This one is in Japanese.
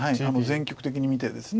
全局的に見てです。